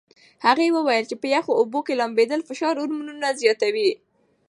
هغه وویل چې په یخو اوبو کې لامبېدل فشار هورمونونه زیاتوي.